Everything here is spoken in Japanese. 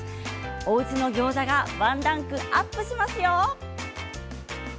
おうちのギョーザがワンランクアップしますよ。